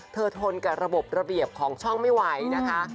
ทนกับระบบระเบียบของช่องไม่ไหวนะคะ